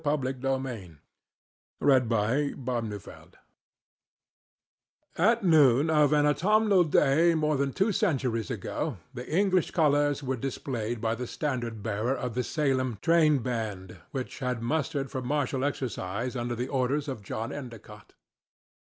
ENDICOTT AND THE RED CROSS At noon of an autumnal day more than two centuries ago the English colors were displayed by the standard bearer of the Salem train band, which had mustered for martial exercise under the orders of John Endicott.